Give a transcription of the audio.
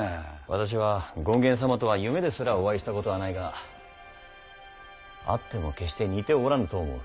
私は権現様とは夢ですらお会いしたことはないが会っても決して似ておらぬと思う。